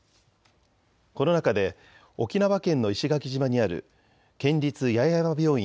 この中で沖縄県の石垣島にある県立八重山病院